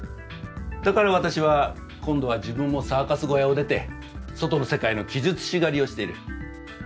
だから私は今度は自分もサーカス小屋を出て外の世界の奇術師狩りをしている。